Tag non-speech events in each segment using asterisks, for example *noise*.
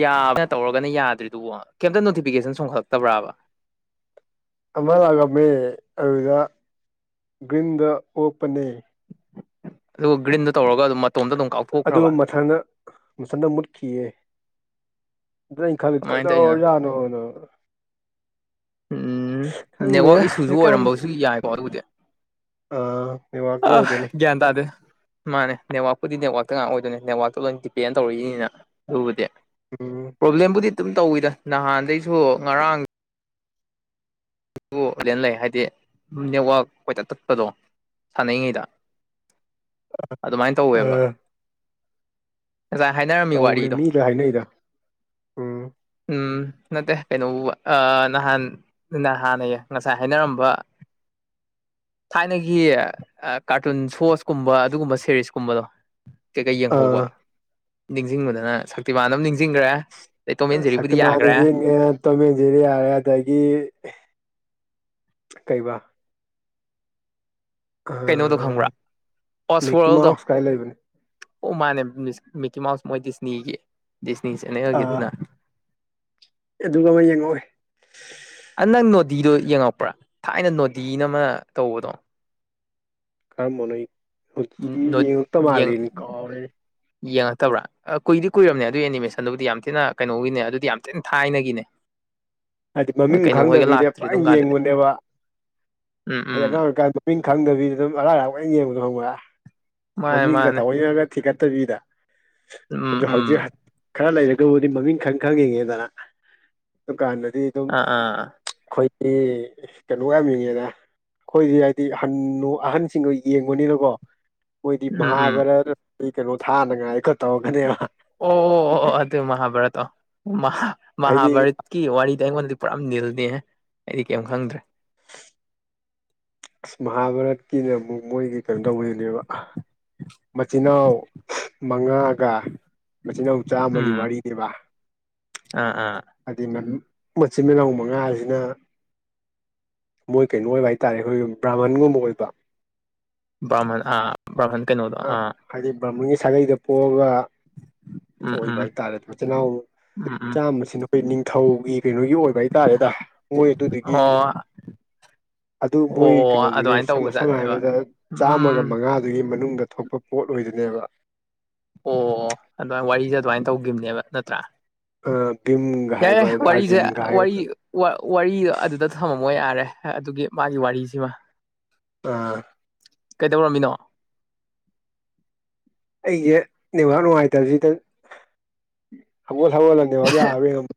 ꯌꯥꯕꯅ ꯇꯧꯔꯒꯅ ꯌꯥꯗ꯭ꯔꯤꯗꯨꯕꯣ ꯀꯩꯝꯇ ꯅꯣꯇꯤꯐꯤꯀꯦꯁꯟ ꯆꯣꯡꯈꯠꯂꯛꯇꯕ꯭ꯔꯕ ꯑꯃ ꯂꯥꯛꯑꯝꯃꯦ ꯑꯗꯨꯗ ꯒ꯭ꯔꯤꯟꯗ ꯑꯣꯛꯄꯅꯦ ꯑꯗꯨꯒ ꯒꯔꯤꯟꯗ ꯇꯧꯔꯒ ꯑꯗꯨꯝ ꯃꯠ ꯑꯗꯨ ꯃꯊꯟꯗ ꯃꯊꯟꯗ ꯃꯨꯠꯈꯤꯌꯦ ꯑꯗ ꯑꯩꯅ ꯈꯜꯂꯤ ꯀꯃꯥꯏꯅ ꯇꯧꯔꯤꯅꯣ ꯀꯩꯗꯧꯔꯖꯥꯠꯅꯣꯅꯥ ꯎꯝ ꯈꯪꯗꯦꯗ ꯅꯦꯠꯋꯥꯛ ꯏꯁꯨꯁꯨ ꯍꯧꯖꯤꯛꯀꯥꯟꯁꯦ ꯑꯣꯏꯔꯝꯕꯁꯨ ꯌꯥꯏꯀꯣ ꯑꯗꯨꯕꯨꯗꯤ ꯑꯥ ꯅꯦꯠꯋꯥꯛꯀꯤ ꯑꯥ ꯑꯣꯏꯗꯣꯏꯅꯦ ꯒ꯭ꯌꯥꯟ ꯇꯥꯗꯦ ꯃꯥꯅꯦ ꯅꯦꯠꯋꯥꯛꯄꯨꯗꯤ ꯅꯦꯠꯋꯥꯛꯇ ꯉꯥꯛ ꯑꯣꯏꯗꯣꯏꯅꯦ ꯅꯦꯠꯋꯥꯛꯇ ꯂꯣꯏꯟ ꯗꯤꯄꯦꯟ ꯇꯧꯔꯛꯏꯅꯤꯅ ꯑꯗꯨꯕꯨꯗꯤ ꯎꯝ ꯄ꯭ꯔꯣꯕ꯭ꯂꯦꯝꯕꯨꯗꯤ ꯑꯗꯨꯝ ꯇꯧꯋꯤꯗ ꯅꯍꯥꯟꯗꯩꯁꯨ ꯉꯔꯥꯡ ꯑꯗꯨ ꯗꯦꯟ ꯂꯩ ꯍꯥꯏꯗꯤ ꯅꯦꯠꯋꯥꯛ ꯀꯣꯏꯇꯠ ꯇꯠꯄꯗꯣ ꯁꯥꯟꯅꯩꯉꯩꯗ ꯑꯗꯨꯃꯥꯏꯟ ꯇꯧꯋꯦꯕ ꯑꯥ ꯉꯖꯥꯏ ꯍꯥꯏꯅꯔꯝꯃꯤ ꯇꯧꯕꯅꯦ ꯋꯥꯔꯤꯗꯣ ꯃꯤ ꯂꯣꯏ ꯍꯥꯏꯅꯩꯗ ꯎꯝ ꯎꯝ ꯅꯠꯇꯦ ꯀꯩꯅꯣꯕꯨꯕ ꯑꯥ ꯅꯍꯥꯟ ꯅꯥ ꯍꯥꯟꯅꯩꯌ ꯉꯁꯥꯏ ꯍꯥꯏꯅꯔꯝꯕ ꯊꯥꯏꯅꯒꯤ ꯑꯥ ꯀꯥꯔꯇꯨꯟ ꯁꯣꯁ ꯀꯨꯝꯕ ꯑꯗꯨꯒꯨꯝꯕ ꯁꯦꯔꯤꯁ ꯀꯨꯝꯕꯗꯣ ꯀꯩꯀꯩ ꯌꯦꯡꯍꯧꯕ ꯑꯥ ꯅꯤꯡꯁꯤꯡꯕꯗꯅ ꯁꯛꯇꯤꯃꯥꯟ ꯑꯝ ꯅꯤꯡꯁꯤꯡꯒ꯭ꯔꯦ ꯑ ꯁꯛꯇꯤꯃꯥꯟ ꯅꯤꯡꯁꯤꯡꯉꯦ ꯇꯣꯝ ꯑꯦꯟ ꯖꯦꯔꯤ ꯌꯥꯔꯦ ꯑꯗꯒꯤ ꯀꯩꯕ ꯀꯩꯅꯣꯗꯣ ꯑꯥ ꯈꯪꯕ꯭ꯔꯥ ꯑꯣꯁ ꯃꯤꯛꯀꯤ ꯋꯥꯔꯜꯗꯣ ꯃꯥꯎꯁ ꯀꯥꯏ ꯂꯩꯕꯅꯦ ꯑꯣ ꯃꯥꯅꯦ ꯃꯤꯁ ꯃꯤꯀꯤ ꯃꯥꯎꯁ ꯃꯣꯏ ꯗꯤꯁꯅꯤꯒꯤ ꯗꯤꯁꯅꯤ ꯆꯦꯅꯦꯜꯒꯤ ꯑꯥ ꯑꯗꯨꯅ ꯑꯗꯨꯒ ꯑꯃ ꯌꯦꯡꯉꯑꯣꯏ ꯑꯥ ꯅꯪ ꯅꯣꯇꯤꯗꯨ ꯌꯦꯡꯉꯛꯄ꯭ꯔꯥ ꯊꯥꯏꯅ ꯅꯣꯗꯤꯅ ꯑꯃ ꯇꯧꯕꯗꯣ ꯀꯔꯝꯕꯅꯣ *unintelligible* ꯌꯦꯉꯛꯇ ꯃꯥꯜꯂꯤꯅꯤ ꯀꯥꯎꯔꯦ ꯌꯦꯡꯉꯛꯇꯕ꯭ꯔꯥ ꯑꯥ ꯀꯨꯏꯗꯤ ꯀꯨꯏꯔꯝꯅꯤ ꯑꯗꯨꯢ ꯑꯦꯅꯤꯃꯦꯁꯟꯗꯨꯕꯨꯗꯤ ꯌꯥꯝ ꯊꯤꯅ ꯀꯩꯅꯣꯒꯤꯅꯦ ꯑꯗꯨꯗꯤ ꯌꯥꯝ ꯊꯤꯅ ꯊꯥꯏꯅꯒꯤꯅꯦ *inaudible* ꯍꯥꯏꯗꯤ ꯍꯣꯏ ꯃꯃꯤꯡ ꯀꯩꯅꯣ ꯍꯣꯏꯒ ꯈꯪꯗꯕꯤꯗ ꯂꯥꯛꯇ꯭ꯔꯤ ꯄꯨꯔ ꯑꯗꯨꯝ ꯀꯥꯟꯗꯗꯤ ꯌꯦꯡꯕꯅꯦꯕ ꯎꯝ ꯍꯥꯏꯗꯤ ꯎꯝ ꯑꯉꯥꯡ ꯑꯣꯏꯔꯤꯀꯥꯟꯗ ꯃꯃꯤꯡ ꯈꯪꯗꯕꯤꯗ ꯑꯗꯨꯝ ꯑꯔꯥꯛ ꯑꯔꯥꯛ ꯄꯨꯡꯌꯦꯡ ꯌꯦꯡꯕꯗꯣ ꯈꯪꯕ꯭ꯔꯥ ꯃꯥꯅꯦ ꯃꯃꯤꯡꯒ ꯃꯥꯅꯦ ꯊꯑꯣꯏꯅꯒ ꯊꯤꯒꯠ ꯇꯕꯤꯗ ꯎꯝ ꯑꯗꯨ ꯎꯝ ꯍꯧꯖꯤꯛ ꯍꯠ ꯈꯔ ꯂꯩꯔꯒꯕꯨꯗꯤ ꯃꯃꯤꯡ ꯈꯪ ꯈꯪ ꯌꯦꯡꯉꯦꯗꯅ ꯗꯨꯀꯥꯟꯗ ꯑꯥ ꯑꯥ ꯑꯈꯣꯏꯗꯤ ꯀꯩꯅꯣ ꯌꯥꯝ ꯌꯦꯡꯉꯤꯗ ꯑꯩꯈꯣꯏꯗꯤ ꯍꯥꯏꯗꯤ ꯍꯟꯅꯨ ꯑꯍꯟꯁꯤꯡꯗꯨ ꯌꯦꯡꯕꯅꯤꯅꯀꯣ ꯃꯣꯏꯗꯤ ꯎꯝ ꯎꯝ ꯃꯍꯥꯚꯥꯔꯠ ꯀꯩꯅꯣ ꯊꯥꯅꯉꯥꯏꯀꯥ ꯇꯧꯔꯛꯀꯅꯦꯕ ꯑꯣ ꯑꯣ ꯑꯣ ꯑꯣ ꯑꯗꯨ ꯃꯍꯥꯚꯔꯠ ꯑꯣ ꯃꯍꯥ ꯍꯥꯏꯗꯤ ꯃꯍꯥꯚꯔꯠ ꯀꯤ ꯋꯥꯔꯤꯗꯤ ꯑꯩꯉꯣꯟꯗꯗꯤ ꯄꯨꯔꯥ ꯅꯤꯜꯅꯤꯍꯦ ꯑꯩꯗꯤ ꯀꯩꯝ ꯈꯪꯗ꯭ꯔꯦ ꯃꯍꯥꯚꯥꯔꯠꯀꯤꯅ ꯑꯃꯨꯛ ꯃꯣꯏꯒꯤ ꯀꯩꯅꯣ ꯇꯧꯕꯩꯅꯦꯕ ꯃꯆꯤꯟ ꯅꯥꯎ ꯃꯉꯥꯒ ꯃꯆꯤꯟꯅꯥꯎ ꯆꯥꯝꯃꯒꯤ ꯎꯝ ꯋꯥꯔꯤꯅꯤꯕ ꯑꯥ ꯑꯥ ꯍꯥꯏꯗꯤ ꯃꯆꯤꯟ ꯃꯅꯥꯎ ꯃꯉꯥꯁꯤꯅ ꯃꯣꯏ ꯀꯩꯅꯣ ꯑꯣꯏꯕ ꯍꯥꯏꯇꯥꯔꯦ ꯑꯩꯈꯣꯏꯒꯤ ꯕ꯭ꯔꯥꯝꯍꯟꯒꯨꯝꯕ ꯑꯣꯏꯕ ꯕ꯭ꯔꯥꯍꯟ ꯑꯥ ꯕ꯭ꯔꯥꯍꯟ ꯀꯩꯅꯣꯗꯣ ꯑ ꯑꯥ ꯍꯥꯏꯗꯤ ꯕ꯭ꯔꯃꯤꯟꯒꯤ ꯁꯥꯒꯩꯗ ꯄꯣꯛꯑꯒ ꯎꯝ ꯑꯣꯏꯕ ꯎꯝ ꯍꯥꯏꯇꯥꯔꯦ ꯃꯆꯤꯜ ꯅꯥꯎ ꯎꯝ ꯎꯝ ꯆꯥꯝꯕꯁꯤꯅ ꯑꯩꯈꯣꯏ ꯅꯤꯡꯊꯧꯒꯤ ꯀꯩꯅꯣꯒꯤ ꯑꯣꯏꯕ ꯍꯥꯏꯇꯥꯔꯦꯗ ꯃꯣꯏ ꯑꯗꯨꯗꯨꯒꯤ ꯑꯣ ꯑꯗꯨ ꯑꯣ ꯃꯣꯏ ꯀꯩꯅꯣꯗꯨꯒꯤ ꯑꯗꯨꯃꯥꯏꯅ ꯁꯝꯅ ꯁꯝꯅ ꯇꯧꯕꯖꯥꯠꯅꯦꯕ ꯍꯥꯏꯔꯕꯗ ꯆꯥꯝꯃꯒ ꯎꯝ ꯃꯉꯥ ꯑꯗꯨꯒꯤ ꯃꯅꯨꯡꯗ ꯊꯣꯛꯄ ꯄꯣꯠ ꯑꯣꯏꯕꯅꯦꯕ ꯑꯣ ꯑꯗꯨꯃꯥꯏꯟ ꯋꯥꯔꯤꯁꯦ ꯑꯗꯨꯃꯥꯏꯟ ꯇꯧꯒꯤꯝꯅꯦꯕ ꯅꯠꯇ꯭ꯔꯥ ꯑꯥ ꯕꯤꯝ ꯌꯥꯏ ꯌꯥꯏ ꯋꯥꯔꯤꯁꯦ ꯋꯥꯔꯤ ꯋꯥ ꯋꯥꯔꯤ ꯑꯗꯨꯗ ꯊꯝꯃꯝꯃꯣ ꯌꯥꯔꯦ ꯑꯗꯨꯒꯤ ꯃꯥꯒꯤ ꯋꯥꯔꯤꯁꯤꯃ ꯑꯥ ꯀꯩꯗꯧꯔꯝꯃꯤꯅꯣ ꯑꯩꯒꯤ ꯅꯦꯠꯋꯥꯛ ꯅꯨꯡꯉꯥꯏꯇꯞꯖꯤꯗ ꯍꯧꯒꯠ *unintelligible* *unintelligible* ꯌꯦꯡꯉꯝꯕ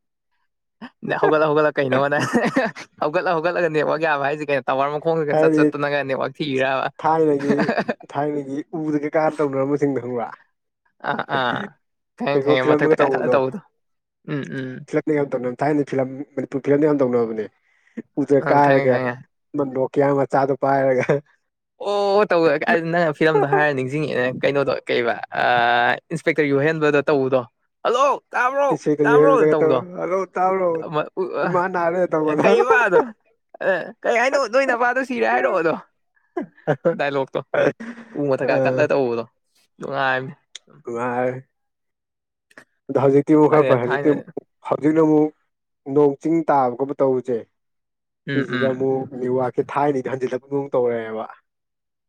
ꯍꯧꯒꯠꯂꯣ ꯍꯧꯒꯠꯂꯣ ꯀꯩꯅꯣꯅ *unintelligible* ꯍꯧꯒꯠꯂ ꯍꯧꯒꯠꯂꯒ ꯅꯦꯠꯋꯥꯛ ꯌꯥꯕ ꯍꯥꯏꯁꯦ ꯀꯩꯅꯣ ꯇꯋꯥꯔ ꯃ ꯈꫭꯡꯅꯒ ꯆꯠ ꯍꯥꯏꯗꯤ ꯆꯠꯇꯅꯒ ꯅꯦꯠꯋꯥꯔꯛ ꯊꯤꯔꯕ ꯊꯥꯏꯅꯒꯤ *unintelligible* ꯊꯥꯏꯅꯒꯤ ꯎꯗ ꯀꯩꯀꯥ ꯇꯧꯅꯔꯝꯕꯖꯤꯡꯗꯣ ꯈꯪꯕ꯭ꯔ ꯑ ꯑꯥ ꯈꯪꯉꯦ ꯈꯪꯉꯦ ꯃꯊꯛꯇ ꯐꯤꯂꯝꯗꯒ ꯀꯥꯈꯠꯂ ꯇꯧꯕꯗꯣ ꯎꯝ ꯎꯝ *unintelligible* ꯊꯥꯏꯅꯩ ꯐꯤꯂꯝ ꯃꯅꯤꯄꯨꯔ ꯐꯤꯂꯝꯗ ꯌꯥꯝ ꯇꯧꯅꯕꯅꯦ ꯎꯗ ꯑꯪ ꯈꯪꯉꯦ ꯀꯥꯔꯒ ꯈꯪꯉꯦ *unintelligible* ꯀꯩꯔꯥꯛ ꯃꯆꯥꯗꯨ ꯄꯥꯏꯔꯒ ꯑꯣ *unintelligible* ꯅꯪ ꯐꯤꯂꯝꯗꯣ ꯍꯥꯏꯔ ꯅꯤꯡ ꯖꯤꯡꯉꯛꯑꯦ ꯀꯩꯅꯣꯗꯣ ꯀꯩꯕ ꯑ ꯏꯟꯁꯄꯦꯛꯡꯇꯔ ꯌꯣꯍꯦꯟꯕꯗ ꯇꯧꯕꯗꯣ ꯍꯜꯂꯣ ꯇꯥꯕ꯭ꯔꯣ ꯏꯁꯩꯒ ꯇꯥꯕ꯭ꯔꯣ ꯅ ꯏꯔꯣꯏꯕꯗꯒ ꯇꯧꯔ ꯇꯧꯕꯗꯣ ꯍꯜꯂꯣ ꯇꯥꯕ꯭ꯔꯣ ꯑꯃ *unintelligible* ꯏꯃꯥ ꯅꯥꯔꯦ ꯇꯧ ꯑꯦ ꯀꯩꯕ ꯗꯣ ꯀꯩ ꯍꯥꯏꯅꯣ ꯅꯣꯏ ꯅꯄꯥꯗꯣ ꯁꯤꯔꯦ ꯍꯥꯏꯔꯣꯗꯣ ꯗꯥꯏꯂꯣꯛꯇꯣ ꯎ ꯃꯊꯛ ꯑ ꯀꯥꯈꯠꯂ ꯇꯧꯕꯗꯣ ꯅꯨꯡꯉꯥꯏꯝꯅꯤ ꯅꯨꯡꯉꯥꯏ ꯑꯗꯨ ꯍꯧꯖꯤꯛꯇꯤ ꯃꯨꯛ ꯈꯔ ꯈꯪꯗꯦ ꯐꯔꯦ ꯊꯥꯏꯅ ꯍꯧꯖꯤꯛꯇꯤ ꯍꯧꯖꯤꯛꯅ ꯑꯃꯨꯛ ꯅꯣꯡ ꯆꯤꯡ ꯇꯥꯕ ꯈꯣꯠꯄ ꯇꯧꯕꯖꯦ ꯎꯝ ꯁꯤꯁꯤꯅ ꯎꯝ ꯑꯃꯨꯛ ꯅꯦꯠꯋꯥꯛꯁꯦ ꯊꯥꯏꯅꯩꯗꯣ ꯍꯟꯖꯤꯜꯂꯛꯄꯒꯨꯝ ꯇꯧꯔꯦꯕ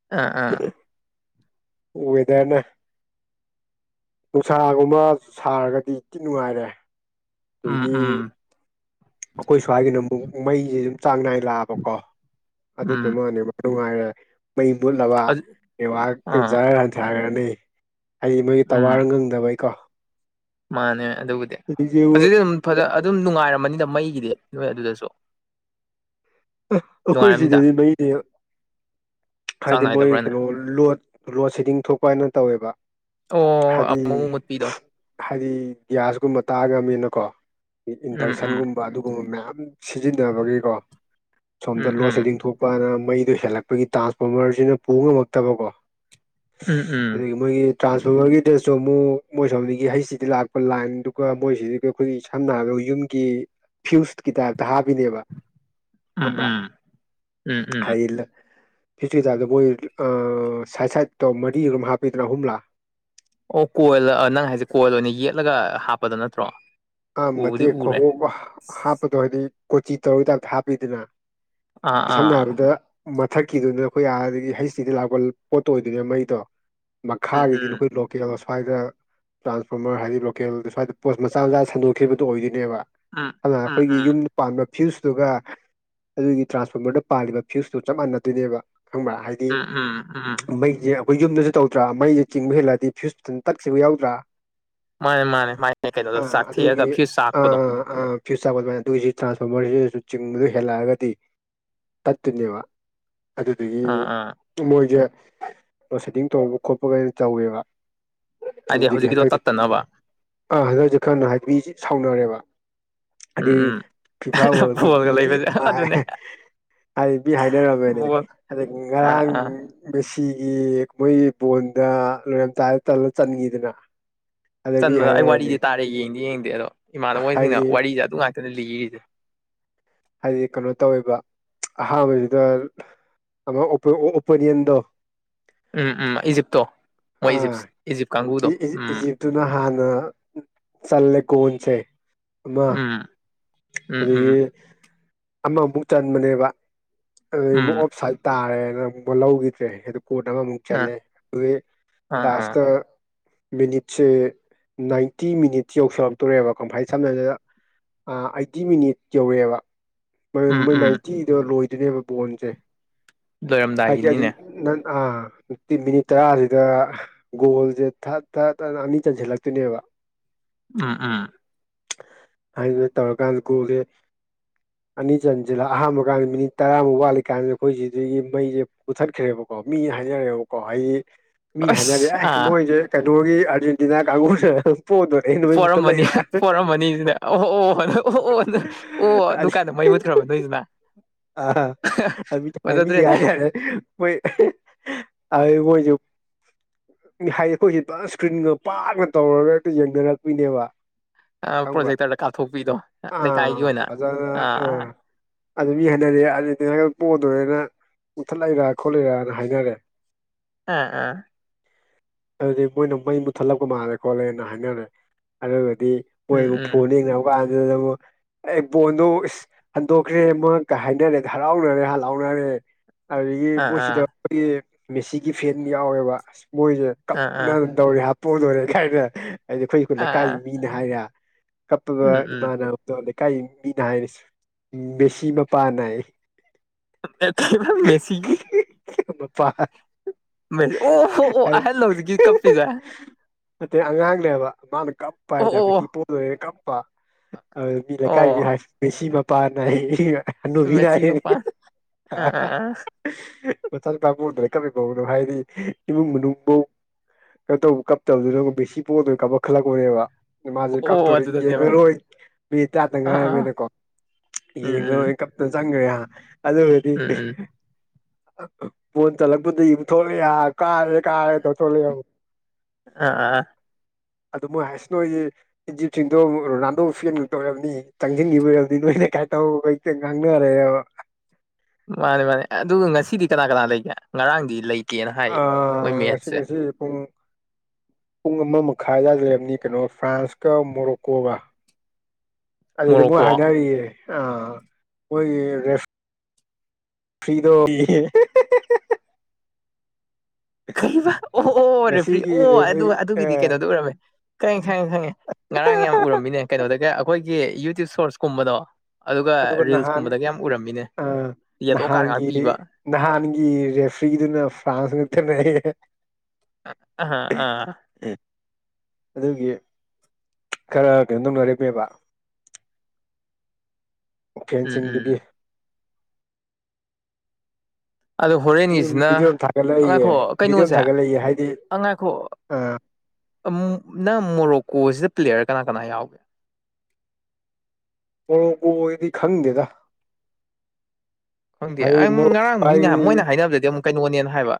ꯑ ꯑ ꯋꯦꯗꯔꯅ ꯅꯨꯡꯁꯥꯒꯨꯝꯕ ꯁꯥꯔꯒꯗꯤ ꯇꯤ ꯅꯨꯡꯉꯥꯏꯔꯦ ꯎꯝ ꯑꯗꯒꯤ ꯎꯝ ꯑꯈꯣꯏ ꯁ꯭ꯋꯥꯏꯒꯤꯅ ꯑꯃꯨꯛ ꯃꯩꯖꯦ ꯑꯗꯨꯝ ꯆꯥꯡ ꯅꯥꯏ ꯂꯥꯛꯑꯕꯀꯣ ꯎꯝ ꯑꯗꯨꯗꯨꯃ *unintelligible* ꯅꯨꯡꯉꯥꯏꯔꯦ ꯃꯩ ꯃꯨꯠꯂꯕ ꯑꯗꯨ ꯅꯦꯠꯋꯥꯛ *unintelligible* ꯑꯥ ꯖꯔ ꯍꯟꯊꯒ꯭ꯔꯅꯤ ꯍꯥꯏꯗꯤ ꯃꯣꯏ ꯒꯤ ꯎꯝ ꯇꯋꯥꯔ ꯉꯪꯗꯕꯩꯀꯣ ꯃꯥꯅꯦ ꯑꯗꯨꯕꯨꯗꯤ ꯑꯗꯒꯤꯕꯨ ꯍꯧꯖꯤꯛꯇꯤ ꯗꯨꯝ ꯐꯖ ꯑꯗꯨꯝ ꯅꯨꯡꯉꯥꯏꯔꯝꯃꯅꯤꯗ ꯃꯩꯒꯤꯗꯤ ꯅꯣꯏ ꯑꯗꯨꯗꯁꯨ *unintelligible* ꯑꯈꯣꯏ ꯅꯨꯡꯉꯥꯏꯔꯝꯅꯤꯗ ꯁꯤꯗꯗꯤ ꯃꯩꯗꯤ ꯆꯥꯡ ꯍꯥꯏꯗꯤ ꯃꯣꯏ ꯅꯥꯏꯗꯕ꯭ꯔꯥꯅꯦ ꯀꯩꯅꯣ ꯂꯣꯠ ꯂꯣꯠ ꯁꯦꯗꯤꯡ ꯊꯣꯛꯄ ꯍꯥꯏꯅ ꯇꯧꯋꯦꯕ ꯑꯣ ꯍꯥꯏꯗꯤ ꯑꯃꯨꯛ ꯃꯨꯠꯄꯤꯗꯣ ꯍꯥꯏꯗꯤ ꯒ꯭ꯌꯥꯁꯀꯨꯝꯕ ꯇꯥꯡꯉꯃꯤꯅꯀꯣ ꯎꯝ ꯎꯝ ꯏꯟꯗꯛꯁꯟꯒꯨꯝ ꯕ ꯑꯗꯨꯒꯨꯝꯕ ꯃꯌꯥꯝ ꯁꯤꯖꯤꯟꯅꯕꯒꯤꯀꯣ ꯁꯣꯝꯗ ꯎꯝ ꯂꯣꯠ ꯎꯝ ꯁꯦꯗꯤꯡ ꯊꯣꯛꯄꯅ ꯃꯩꯗꯣ ꯍꯦꯜꯂꯛꯄꯒꯤ ꯇꯥꯟꯁꯕꫭꯝꯃꯔꯖꯤꯅ ꯄꯨ ꯉꯝꯃꯛꯇꯕꯀꯣ ꯎꯝ ꯎꯝ ꯑꯗꯨꯒꯤ ꯃꯣꯏꯒꯤ ꯇ꯭ꯔꯥꯟꯁꯕꫭꯝꯃꯔꯒꯤꯗꯁꯨ ꯑꯃꯨꯛ ꯃꯣꯏ ꯁꯣꯝꯗꯒꯤ ꯍꯩꯁ ꯗꯤꯗ ꯂꯥꯛꯄ ꯂꯥꯏꯟꯗꯨꯒ ꯃꯣꯏꯁꯤꯗꯩ *unintelligible* ꯑꯈꯣꯏꯒꯤ ꯁꯝꯅ ꯍꯥꯏꯔꯕꯗ ꯌꯨꯝꯒꯤ ꯐ꯭ꯌꯨꯁꯀꯤ ꯇꯥꯏꯞꯇ ꯍꯥꯞꯄꯤꯅꯦꯕ ꯎꯝ ꯈꯪꯕ꯭ꯔ ꯎꯝ ꯎꯝ ꯎꯝ ꯍꯥꯏꯗꯤ ꯐꯤꯖꯤ *unintelligible* ꯃꯣꯏ ꯑ ꯁꯥꯏꯠ ꯁꯥꯏꯠꯇꯣ ꯃꯔꯤꯔꫭ *unintelligible* ꯍꯥꯞꯄꯤꯗꯅ ꯑꯍꯨꯝꯂ ꯑꯣ ꯀꯣꯏꯜꯂ ꯅꯪ ꯍꯥꯏꯁꯦ ꯀꯣꯏꯜ ꯑꯣꯏꯅ ꯌꯦꯠꯂꯒ ꯍꯥꯞꯄꯗꯣ ꯅꯠꯇ꯭ꯔꯣ ꯑꯥ ꯎꯕꯨꯗꯤ ꯃꯇꯦꯛ ꯎꯔꯦ *unintelligible* ꯍꯥꯞꯄꯗꯣ ꯍꯥꯏꯗꯤ ꯀꯣꯆꯤ ꯇꯧꯔ ꯇꯥꯏꯞꯇ ꯍꯥꯞꯄꯤꯗꯅ ꯑꯥ ꯁꯝꯅ ꯑꯥ ꯍꯥꯏꯔꯕꯗ ꯃꯊꯛꯀꯤꯗꯨꯅ ꯑꯩꯈꯣꯏ ꯑꯥꯗꯒꯤ ꯍꯩꯁ ꯗꯤꯗ ꯂꯥꯛꯄ ꯄꯣꯠꯇꯣ ꯑꯣꯏꯗꯣꯏꯅꯦ ꯃꯩꯗꯣ ꯎꯝ ꯃꯈꯥꯒꯤꯗꯤ ꯎꯝ ꯅꯈꯣꯏ ꯂꯣꯀꯦꯜ ꯑꯁ꯭ꯋꯥꯏꯗ ꯇ꯭ꯔꯥꯟꯁꯐꯣꯝꯃꯔ ꯍꯥꯏꯗꯤ ꯂꯣꯀꯦꯜ ꯑꯁ꯭ꯋꯥꯏꯗ ꯄꯣꯁ ꯃꯆꯥ ꯃꯆꯥ ꯁꯟꯗꯣꯛꯈꯤꯕꯗꯣ ꯑꯣꯏꯗꯣꯏꯅꯦꯕ ꯎꯝ ꯑꯗꯨꯅ ꯎꯝ ꯑꯈꯣꯏꯒꯤ ꯌꯨꯝꯗ ꯄꯥꯟꯕ ꯐ꯭ꯌꯨꯁꯇꯨꯒ ꯑꯗꯨꯒꯤ ꯇ꯭ꯔꯥꯟꯁꯐꯣꯝꯃꯔꯗ ꯄꯥꯜꯂꯤꯕ ꯐ꯭ꯌꯨꯁꯇꯣ ꯆꯞ ꯃꯥꯟꯅꯗꯣꯏꯅꯦꯕ ꯈꯪꯕ꯭ꯔ ꯍꯥꯏꯗꯤ ꯎꯝ ꯎꯝ ꯎꯝ ꯎꯝ ꯃꯩꯖꯦ ꯑꯈꯣꯏ ꯌꯨꯝꯗꯖꯨ ꯇꯧꯗ꯭ꯔ ꯃꯩꯖꯦ ꯆꯤꯡꯕ ꯍꯦꯜꯂꯛꯑꯗꯤ ꯐ꯭ꯌꯨꯁ *unintelligible* ꯇꯠꯈꯤꯕ ꯌꯥꯎꯗ꯭ꯔ ꯃꯥꯅꯦ ꯃꯥꯅꯦ ꯃꯥꯥꯏ *unintelligible* ꯑꯗꯨꯒꯤ ꯑꯥ ꯑꯥ ꯐ꯭ꯌꯨꯁ *unintelligible* ꯑꯗꯨꯒꯤꯁꯤ ꯇ꯭ꯔꯥꯟꯁꯐꯣꯔꯃꯔꯁꯤꯗꯁꯨ ꯆꯤꯡꯕꯗꯨ ꯍꯦꯜꯂꯛꯑꯒꯗꯤ ꯇꯠꯇꯨꯏꯅꯦꯕ ꯑꯗꯨꯗꯨꯒꯤ ꯑꯥ ꯑꯥ ꯃꯣꯏꯖꯦ ꯔꯣꯁꯦꯗꯤꯡ ꯇꯧꯕ ꯈꯣꯠꯄꯒꯗꯣ ꯇꯧꯋꯦꯕ ꯍꯥꯏꯗꯤ ꯑꯗꯨꯗꯒꯤ ꯍꯧꯖꯤꯛꯀꯤꯗꯣ ꯍꯟꯗꯛꯁꯦ ꯇꯠꯇꯅꯕ ꯑꯥ ꯍꯟꯗꯛꯁꯦ ꯈꯔ *unintelligible* ꯁꯥꯎꯅꯔꯦꯕ ꯎꯝ ꯎꯝ *unintelligible* ꯐꯤꯐꯥ ꯋꯥꯔꯜ ꯀꯞ ꯕꯣꯜꯒ ꯂꯩꯕꯁꯦ ꯑꯗꯨꯅꯦ *unintelligible* ꯍꯥꯏꯗꯤ ꯍꯥꯏꯅꯔꯝꯃꯦꯅꯦ ꯕꯣꯜ ꯑꯗꯒꯤ ꯑꯥ ꯉꯔꯥꯡ ꯑꯥ ꯃꯦꯁꯤꯒꯤ ꯃꯣꯏ ꯕꯣꯟꯗ ꯂꯣꯏꯔꯝ ꯇꯥꯏ ꯇꯧꯔ ꯆꯟꯒꯤꯗꯅ ꯆꯟꯕꯗ ꯑꯩ ꯋꯥꯔꯤꯗꯤ ꯇꯥꯔꯦ ꯌꯦꯡꯗꯤ ꯌꯦꯡꯗꯦ ꯑꯗꯣ ꯏꯃꯥꯟꯅꯕꯃꯣꯏꯁꯤꯡꯅ ꯍꯥꯏꯗꯤ ꯋꯥꯔꯤꯁꯦ ꯑꯗꯨ ꯉꯥꯛꯇꯅ ꯂꯤꯔꯤꯁꯦ ꯍꯥꯏꯗꯤ ꯀꯩꯅꯣ ꯇꯧꯋꯦꯕ ꯑꯍꯥꯟꯕꯁꯤꯗ ꯑꯃ ꯑꯣ ꯑꯣꯄꯣꯅꯤꯌꯟꯗꯣ ꯎꯝ ꯎꯝ ꯏꯖꯤꯞꯇꯣ ꯃꯣꯏ ꯏꯖꯤꯞꯁ ꯏꯖꯤꯞ ꯀꯥꯡꯕꯨꯗꯣ ꯎꯝ ꯑꯗꯨꯨꯅ ꯍꯥꯟꯅ ꯆꯜꯂꯦ ꯒꯣꯟꯁꯦ ꯑꯃ ꯎꯝ ꯎꯝ ꯑꯗꯒꯤ ꯎꯝ ꯑꯃꯃꯨꯛ ꯆꯟꯕꯅꯦꯕ ꯑꯗꯨꯗꯩ ꯑꯃꯨꯛ ꯎꯝ ꯑꯣꯐ ꯁꯥꯏꯠ ꯇꯥꯔꯦꯅ ꯑꯃꯨꯛ ꯂꯧꯈꯤꯗ꯭ꯔꯦ ꯑꯗꯨ ꯀꯣꯟꯅ ꯑꯃꯃꯨꯛ ꯑꯥ ꯆꯜꯂꯦ ꯑꯗꯨꯗꯒꯤ ꯑꯥ ꯑꯥ ꯂꯥꯁꯇ ꯃꯤꯅꯤꯠꯁꯦ ꯅꯥꯏꯟꯇꯤ ꯃꯤꯅꯤꯠꯁ ꯌꯧꯁꯜꯂꯛꯇꯣꯔꯦꯕ ꯀꯪꯐꯥꯏ ꯁꯝꯅ ꯍꯥꯏꯔꯕꯅ ꯑ ꯑꯩꯠꯇꯤ ꯃꯤꯅꯤꯠ ꯌꯧꯔꯦꯕ ꯎꯝ ꯃꯣꯏ ꯎꯝ ꯅꯥꯏꯟꯇꯤꯗ ꯂꯣꯏꯗꯣꯏꯅꯦꯕ ꯕꯣꯟꯁꯦ ꯑꯩꯗꯤ ꯑꯗꯨꯝ ꯂꯣꯏꯔꯝꯗꯥꯏꯒꯤꯅꯤꯅꯦ ꯅꯪ ꯑ ꯁꯤ ꯃꯤꯅꯤꯠ ꯇꯔꯥꯁꯤꯗ ꯒꯣꯜꯁꯦ ꯊꯠ ꯊꯠ ꯊꯠ ꯑꯅꯤ ꯆꯟꯁꯤꯜꯂꯛꯇꯣꯏꯅꯦꯕ ꯎꯝ ꯎꯝ ꯍꯥꯏꯗꯨꯅ ꯇꯧꯔꯀꯥꯟꯗ ꯒꯣꯜꯁꯦ ꯑꯅꯤ ꯆꯟꯖꯜꯂ ꯑꯍꯥꯟꯕꯒꯥꯟ ꯃꯤꯅꯤꯠ ꯇꯔꯥꯃꯨꯛ ꯋꯥꯠꯂꯤꯀꯥꯟꯗ ꯑꯩꯈꯣꯏ ꯁꯤꯗꯒꯤ ꯃꯩꯁꯦ ꯃꯨꯊꯠꯈ꯭ꯔꯦꯕꯀꯣ ꯃꯤ ꯍꯥꯏꯅꯔꯦꯕꯀꯣ ꯍꯥꯏꯗꯤ ꯃꯤꯅ ꯍꯥꯏꯅꯔꯦ ꯑꯁ ꯑꯦ ꯑꯥ ꯃꯣꯏꯁꯦ ꯀꯩꯅꯣꯒꯤ ꯑꯥꯔꯖꯦꯟꯇꯤꯅꯥ ꯀꯥꯡꯕꯨꯁꯦ ꯄꯣꯗꯣꯔꯦ ꯅꯣꯏ ꯃꯨꯊꯠ ꯄꯣꯔꯝꯃꯅꯤ ꯂꯩꯔ ꯄꯣꯔꯝꯃꯅꯤ ꯖꯤꯅ ꯑꯣꯍ ꯑꯣꯍ ꯑꯣ ꯑꯣ ꯑꯣ ꯑꯗꯨ ꯀꯥꯟꯗ ꯃꯩ ꯃꯨꯠꯈ꯭ꯔꯕ ꯅꯣꯏꯗꯨꯅ ꯐꯖꯗ꯭ꯔꯦꯅꯦ *unintelligible* ꯍꯥꯏꯗꯤ ꯑꯩꯈꯣꯏꯁꯦ ꯏꯁꯀ꯭ꯔꯤꯟꯒ ꯄꯥꯛꯅ ꯇꯧꯔꯒ ꯍꯦꯛꯇ ꯌꯦꯡꯅꯔꯛꯄꯤꯅꯦꯕ ꯈꯪꯕ꯭ꯔꯥ ꯄ꯭ꯔꯣꯖꯦꯛꯇꯔꯗ ꯀꯥꯞꯊꯣꯛꯄꯤꯗꯣ ꯂꯩꯀꯥꯏꯒꯤ ꯑꯥ ꯑꯣꯏꯅ ꯑꯥ ꯑꯥ *unintelligible* ꯑꯗꯒꯤ ꯍꯥꯏꯅꯔꯦ ꯑꯥꯔꯖꯦꯟꯇꯤꯅ ꯄꯣꯗꯣꯔꯦꯅ ꯃꯨꯊꯠ ꯂꯦꯒ ꯈꯣꯠꯂꯩꯔꯅ ꯍꯥꯏꯅꯔꯦ ꯑꯥ ꯑꯥ ꯑꯗꯨꯗꯤ ꯃꯣꯏꯅ ꯃꯩ ꯃꯨꯠꯊꯠꯂꯛꯄ ꯃꯥꯜꯂꯦ ꯈꯣꯠꯂꯦꯅ ꯍꯥꯏꯅꯔꯦ ꯑꯗꯨꯒꯗꯤ ꯃꯣꯏ ꯎꯝ ꯑꯃꯨꯛ ꯎꯝ ꯐꯣꯟꯗ ꯌꯦꯡꯅꯔ ꯑꯃꯨꯛ ꯄꯥꯟꯗꯨꯗ ꯑꯃꯨꯛ ꯑꯩ ꯕꯣꯟꯗꯣ ꯏꯁ ꯍꯟꯗꯣꯛꯈ꯭ꯔꯦ ꯃꯣꯏꯀ ꯍꯥꯏꯅꯔꯦ ꯍꯔꯥꯎꯅꯔꯦ ꯍꯥ ꯂꯥꯎꯅꯔꯦ ꯑꯗꯨꯗꯒꯤ ꯑꯥ ꯃꯣꯏꯁꯤꯗ ꯑꯥ ꯑꯩꯈꯣꯏꯒꯤ ꯃꯦꯁꯤꯒꯤ ꯐꯦꯟ ꯌꯥꯎꯋꯦꯕ ꯑꯁ ꯃꯣꯏꯁꯦ ꯑꯥ ꯀꯞꯅ ꯑꯥ ꯇꯧꯔꯦ ꯍꯥꯄꯣꯟꯗꯔꯦ ꯀꯥꯏꯅ ꯍꯥꯏꯗꯤ ꯑꯩꯈꯣꯏ ꯂꯩꯀꯥꯏꯒꯤ ꯑꯥ ꯃꯤꯅ ꯍꯥꯏꯔꯦ ꯀꯞꯄꯒ ꯎꯝ ꯎꯝ ꯏꯃꯥꯟꯕꯗꯣ ꯂꯩꯀꯥꯏ ꯃꯤꯅ ꯍꯥꯏꯅꯦꯁꯨ ꯃꯦꯁꯤ ꯃꯄꯥꯅ *unintelligible* ꯃꯦꯁꯤꯒꯤ ꯄꯥ *unintelligible* ꯃ ꯑꯣꯍꯣ ꯑꯣ ꯑꯍꯜꯂꯣ ꯍꯧꯖꯤꯛꯀꯤ ꯀꯞꯄꯤꯁꯦ ꯑꯠꯇꯩ ꯑꯉꯥꯡꯅꯦꯕ ꯃꯥꯅ ꯀꯞꯄ ꯍꯥꯏꯇꯥ꯭ꯔ ꯑꯣ ꯑꯣ ꯃꯦꯁꯤ ꯄꯣꯗꯣꯔꯦꯅ ꯀꯞ *unintelligible* ꯂꯩꯀꯥꯏꯒꯤ ꯃꯤꯅ ꯑꯣ ꯍꯥꯏꯁꯤ ꯃꯦꯁꯤ ꯃꯄꯥꯅ *unintelligible* ꯍꯅꯨꯕꯤꯅ ꯃꯦꯁꯤ ꯃꯄꯥꯟ ꯑꯥ ꯑꯥ ꯑꯥ *unintelligible* ꯃꯆꯥ ꯅꯨꯄꯥ *unintelligible* ꯏꯃꯨꯡ ꯃꯅꯨꯡ ꯐꯧ ꯀꯩꯅꯣ ꯇꯧꯕ ꯀꯞꯇꯕꯗꯨꯅ ꯃꯦꯁꯤ ꯄꯣꯗꯣꯔꯦ ꯀꯞ ꯈꯠꯂꯛꯄꯅꯦꯕ ꯃꯥꯖꯦ ꯑꯣ ꯀꯞꯇꯣꯔꯦ ꯑꯗꯨꯗꯅꯦꯕ ꯌꯦꯡꯉꯔꯣꯏ ꯃꯤꯅꯤꯠ ꯇꯥꯔꯥꯇꯪ ꯑꯥ ꯑꯥ ꯉꯥꯏꯔꯕꯅꯤꯅꯀꯣ ꯎꯝ ꯎꯝ ꯌꯦꯡꯉꯔꯣꯏ ꯀꯞ ꯇꯅ ꯆꯪꯒ꯭ꯔꯦ ꯍꯥ ꯑꯗꯨꯒꯗꯤ ꯎꯝ ꯎꯝ *unintelligible* ꯕꯣꯟ ꯆꯜꯂꯛꯄꯗꯒꯤ ꯊꯣꯛꯂꯛꯑꯦ ꯍꯥ ꯀꯥꯔꯦ ꯀꯥ *unintelligible* ꯑꯥ ꯑꯥ ꯑꯗꯨ ꯃꯣꯏ ꯍꯥꯁ ꯅꯣꯏꯒꯤ ꯏꯖꯤꯞꯁꯤꯡꯗꯣ ꯔꯣꯅꯥꯜꯗꯣ ꯐꯦꯟ ꯉꯛꯇ ꯑꯣꯏꯔꯝꯅꯤ ꯆꯪꯖꯤꯟꯒꯤꯕ ꯑꯣꯏꯔꯝꯅꯤ ꯅꯣꯏꯅ ꯀꯥꯏꯟ ꯇꯧ ꯍꯦꯛꯇ ꯉꯥꯡꯅꯔꯦꯕ ꯃꯥꯅꯤ ꯃꯥꯅꯤ ꯑꯗꯨꯒ ꯉꯁꯤꯗꯤ ꯀꯅꯥ ꯀꯅꯥ ꯂꯩꯒꯦ ꯉꯔꯥꯡꯗꯤ ꯂꯩꯇꯦꯅ ꯍꯥꯏꯌꯦ ꯃꯣꯏ ꯃꯦꯠꯁꯁꯦ ꯑꯦ ꯄꯨꯡ ꯄꯨꯡ ꯑꯃ ꯃꯈꯥꯏ ꯑꯗ꯭ꯋꯥꯢꯗ ꯂꯩꯔꯝꯅꯤ ꯀꯩꯅꯣ ꯐ꯭ꯔꯥꯟꯁꯀ ꯃꯣꯔꯣꯀꯣꯒ ꯑꯗꯨꯗ ꯃꯣꯏ ꯃꯣꯔꯣꯀꯣ ꯍꯥꯏꯅꯔꯤꯌꯦ ꯑꯥ ꯃꯣꯏꯒꯤ ꯔꯦꯐ ꯐ꯭ꯔꯤꯗꯣ *unintelligible* ꯀꯩꯕ ꯑꯣ ꯑꯣ ꯔꯦꯐ꯭ꯔꯤ ꯉꯁꯤꯒꯤ ꯑꯣ ꯑꯗꯨ ꯔꯦꯐ꯭ꯔꯤ ꯑꯗꯨꯒꯤꯗꯤ ꯑꯥ ꯀꯩꯅꯣꯗ ꯑꯣꯏꯔꯝꯃꯦ ꯈꯪꯉꯦ ꯈꯪꯉꯦ ꯈꯪꯉꯦ ꯉꯔꯥꯡ ꯌꯥꯝ ꯎꯔꯝꯃꯤꯅꯦ ꯀꯩꯅꯣꯗꯒ ꯑꯈꯣꯏꯒꯤ ꯌꯨꯇ꯭ꯌꯨꯕ ꯁꯣꯔꯠꯁ ꯀꯨꯝꯕꯗꯣ ꯑꯗꯨꯒ ꯔꯤꯜꯁꯀꯨꯝꯕꯗꯒ ꯌꯥꯝ ꯎꯔꯝꯃꯤꯅꯦ ꯑꯥ ꯌꯦꯂꯣ ꯀꯥꯔꯠ ꯉꯥꯛ ꯅꯍꯥꯟꯒꯤ ꯄꯤꯕ ꯅꯍꯥꯟꯒꯤ ꯔꯦꯐ꯭ꯔꯤꯗꯨꯅ ꯐ꯭ꯔꯥꯟꯁ ꯉꯛꯇꯅꯦꯌꯦ ꯑ ꯑꯍꯥ ꯑꯥ ꯑꯦ ꯑꯗꯨꯒꯤ ꯈꯔ ꯀꯩꯅꯣꯗꯧꯅꯔꯦꯞꯄꯦꯕ ꯑꯣ ꯎꯝ ꯎꯝ ꯐꯦꯟꯁꯤꯡꯗꯨꯒꯤ ꯑꯗꯣ ꯃꯤ ꯍꯣꯔꯦꯟꯒꯤꯁꯤꯅ ꯚꯤꯗꯤꯌꯣ ꯑꯝ ꯊꯥꯒꯠꯂꯛꯏꯌꯦ ꯉꯥꯏꯈꯣ ꯚꯤꯗꯤꯌꯣ ꯑꯝ ꯀꯩꯅꯣꯁꯦ ꯊꯥꯒꯠꯂꯛꯏꯌꯦ ꯍꯥꯏꯗꯤ ꯑꯥ ꯎꯝ ꯅꯪ ꯃꯣꯔꯣꯛꯀꯣꯁꯤꯗ ꯄ꯭ꯂꯦꯌꯔ ꯀꯅꯥ ꯀꯅꯥ ꯌꯥꯎꯒꯦ ꯃꯣꯔꯣꯀꯣꯒꯤꯗꯤ ꯈꯪꯗꯦꯗ ꯈꯪꯗꯦ ꯍꯥꯏꯗꯤ ꯑꯩ ꯉꯔꯥꯡ ꯃꯣꯔꯣꯛꯀ ꯑꯩ ꯃꯤꯅ ꯃꯣꯏꯅ ꯍꯥꯏꯅꯕꯗꯗꯤ ꯑꯃꯨꯛ ꯀꯩꯅꯣꯅꯦꯅ ꯍꯥꯏꯕ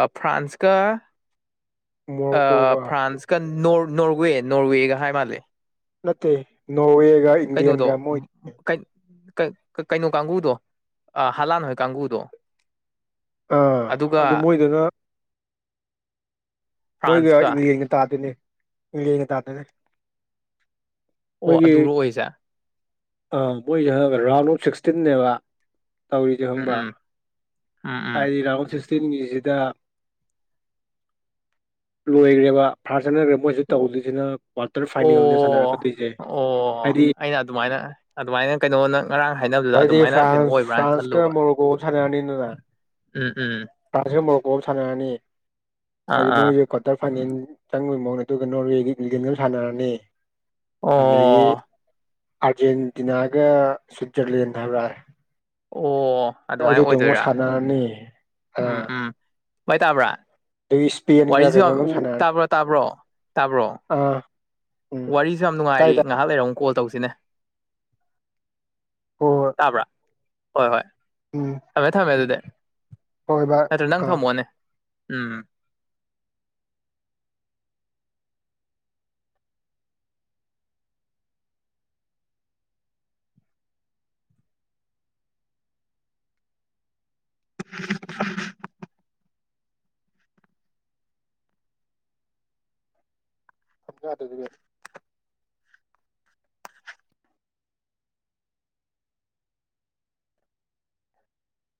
ꯑ ꯐ꯭ꯔꯥꯟꯁꯀ ꯑ ꯃꯣꯔꯣꯛꯀꯣꯒ ꯐ꯭ꯔꯥꯟꯁ ꯀ ꯅꯣꯔ ꯅꯣꯔꯋꯦ ꯅꯣꯔꯋꯦꯒ ꯍꯥꯏ ꯃꯥꯜꯂꯦ ꯅꯠꯇꯦ ꯅꯣꯔꯋꯦ ꯀꯩꯅꯣꯗꯣ ꯎꯝ ꯀꯩꯟ ꯀꯩꯟ ꯀꯩꯅꯣ ꯀꯥꯡꯒꯨꯗꯣ ꯑꯥ ꯍꯂꯥꯟ ꯍꯣꯏ ꯀꯥꯡꯒꯨꯗꯣ ꯑꯥ ꯑꯗꯨ ꯃꯣꯏꯗꯨꯅ ꯃꯣꯏꯒ ꯐ꯭ꯔꯥꯟꯁꯀ ꯏꯪꯂꯦꯟꯒ ꯇꯥꯗꯨꯏꯅꯦ ꯏꯪꯂꯦꯟꯒ ꯇꯥꯗꯨꯏꯅꯦ ꯑꯣ ꯃꯣꯏꯒꯤ ꯑꯗꯨꯔꯣ ꯑꯣꯏꯁꯦ ꯑ ꯃꯣꯏꯒꯤ ꯍꯥꯏꯕ ꯔꯥꯎꯟ ꯑꯣꯐ ꯁꯤꯛꯁꯇꯤꯟꯅꯦꯕ ꯇꯧꯔꯤꯗꯤ ꯎꯝ ꯈꯪꯕ꯭ꯔꯥ ꯎꯝ ꯎꯝ ꯎꯝ ꯍꯥꯏꯗꯤ ꯔꯥꯎꯟ ꯑꯣꯐ ꯁꯤꯛꯁꯇꯤꯟꯒꯤꯖꯤꯗ ꯂꯣꯏꯒ꯭ꯔꯦꯕ ꯐ꯭ꯔꯥꯟꯁ ꯆꯠꯅꯒ꯭ꯔꯦ ꯃꯣꯏꯖꯨ ꯑꯣ ꯇꯧꯗꯣꯏꯁꯤꯅ ꯀ꯭ꯋꯥꯇꯔ ꯐꯥꯏꯅꯦꯜꯅꯦ ꯑꯣ ꯁꯥꯟꯅꯔꯛꯀꯗꯣꯏꯖꯦ ꯑꯣ ꯍꯥꯏꯗꯤ ꯑꯩꯅ ꯑꯗꯨꯃꯥꯏꯅ ꯑꯗꯨꯃꯥꯏꯅ ꯀꯩꯅꯣ ꯅꯪ ꯉꯔꯥꯡ ꯍꯥꯏꯅꯕꯗꯨꯗ ꯍꯥꯏꯗꯤ ꯑꯗꯨꯃꯥꯏꯅ ꯀꯩꯅꯣ ꯐ꯭ꯔꯥꯟꯁ ꯑꯣꯏꯕ꯭ꯔꯥꯅ ꯐ꯭ꯔꯥꯟꯁꯀ ꯈꯜꯂꯨꯕ ꯃꯣꯔꯣꯀꯣꯒ ꯁꯥꯟꯅꯔꯅꯤꯗꯅ ꯎꯝ ꯎꯝ ꯐ꯭ꯔꯥꯟꯁꯀ ꯃꯣꯔꯣꯀꯣ ꯑꯝ ꯁꯥꯟꯅꯔꯅꯤ ꯑꯥ ꯍꯥꯏꯗꯤ ꯑꯥ ꯃꯣꯏꯖꯦ ꯈꯛ ꯀ꯭ꯋꯥꯇꯔ ꯐꯥꯏꯅꯦꯟ ꯆꯪꯕꯩ ꯃꯋꯣꯡꯗ ꯑꯗꯨꯒ ꯅꯣꯔꯋꯦꯒ ꯏꯪꯂꯦꯟꯒ ꯑꯝ ꯁꯥꯟꯅꯔꯅꯤ ꯑꯗꯒꯤ ꯑꯣ ꯑꯥꯔꯖꯦꯟꯇꯤꯅꯥꯒ ꯁ꯭ꯋꯤꯠꯖꯔꯂꯦꯟ ꯍꯥꯏꯕ꯭ꯔꯥ ꯑꯣ ꯑꯗꯨꯃꯥꯏꯟ ꯑꯗꯨꯗꯣ ꯑꯃꯨꯛ ꯑꯣꯏꯗꯣꯏꯔꯥ ꯁꯥꯟꯅꯔꯅꯤ ꯎꯝ ꯑꯥ ꯎꯝ ꯕꯥꯏ ꯇꯥꯕ꯭ꯔꯥ ꯑꯗꯒꯤ ꯏꯁꯄꯦꯟꯒ ꯋꯥꯔꯤꯁꯨ ꯌꯥꯝ ꯀꯩꯅꯣꯒ ꯎ ꯑꯃ ꯁꯥꯟꯅꯔꯅꯤ ꯇꯥꯕ꯭ꯔꯣ ꯇꯥꯕ꯭ꯔꯣ ꯇꯥꯕ꯭ꯔꯣ ꯑꯥ ꯎꯝ ꯋꯥꯔꯤꯁꯨ ꯌꯥꯝ ꯇꯥꯏ ꯅꯨꯡꯉꯥꯏꯔꯤ ꯇꯥꯏ ꯉꯍꯥꯛ ꯂꯩꯔ ꯑꯃꯨꯛ ꯀꯣꯜ ꯇꯧꯁꯤꯅꯦ ꯍꯣꯏ ꯍꯣꯏ ꯇꯥꯕ꯭ꯔꯥ ꯍꯣꯏ ꯍꯣꯏ ꯎꯝ ꯊꯝꯃꯦ ꯊꯝꯃꯦ ꯑꯗꯨꯗꯤ ꯍꯣꯏ ꯚꯥꯏ ꯅꯠꯇ꯭ꯔ ꯅꯪ ꯑꯥ ꯊꯝꯃꯣꯅꯦ ꯎꯝ ꯆꯥꯗꯣꯏꯅꯤ ꯅꯦ